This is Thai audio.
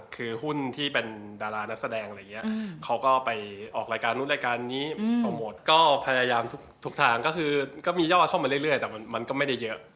คือหุ้นที่เป็นดารานักแสดงอะไรอย่างนี้เขาก็ไปออกรายการนู้นรายการนี้โปรโมทก็พยายามทุกทางก็คือก็มียอดเข้ามาเรื่อยแต่มันก็ไม่ได้เยอะ